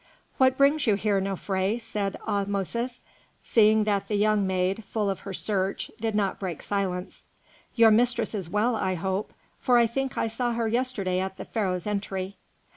"What brings you here, Nofré?" said Ahmosis, seeing that the young maid, full of her search, did not break silence. "Your mistress is well, I hope, for I think I saw her yesterday at the Pharaoh's entry."